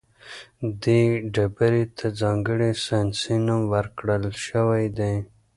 دې ډبرې ته ځانګړی ساینسي نوم ورکړل شوی دی.